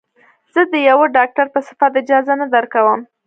زه د يوه ډاکتر په صفت اجازه نه درکم.